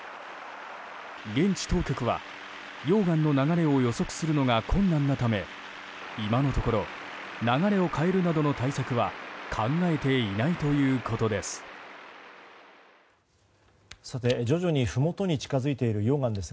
現地当局は、溶岩の流れを予測するのが困難なため今のところ流れを変えるなどの対策は考えていないということです。